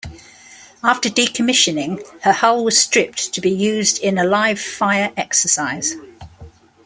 After decommissioning her hull was stripped to be used in a live-fire exercise.